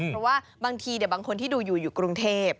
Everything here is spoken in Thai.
เพราะว่าบางทีบางคนที่ดูอยู่อยู่กรุงเทพ